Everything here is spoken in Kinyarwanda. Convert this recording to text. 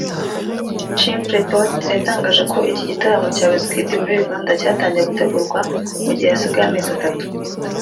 Chimpreports yatangaje ko iki gitaramo cya Wizkid muri Uganda cyatangiye gutegurwa mu gihe hasigaye amezi atatu